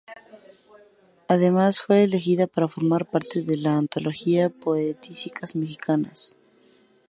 Además fue elegida para formar parte de la antología "Poetisas mexicanas.